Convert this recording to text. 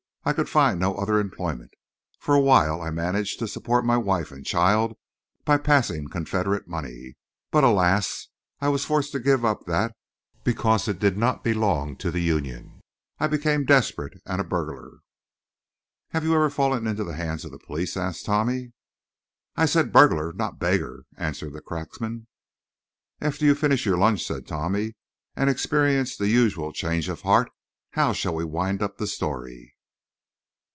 I could find no other employment. For a while I managed to support my wife and child by passing confederate money; but, alas! I was forced to give that up because it did not belong to the union. I became desperate and a burglar." "Have you ever fallen into the hands of the police?" asked Tommy. "I said 'burglar,' not 'beggar,'" answered the cracksman. "After you finish your lunch," said Tommy, "and experience the usual change of heart, how shall we wind up the story?"